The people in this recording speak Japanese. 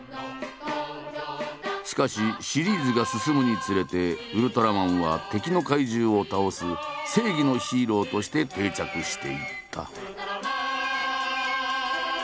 しかしシリーズが進むにつれてウルトラマンは「敵の怪獣を倒す正義のヒーロー」として定着していった。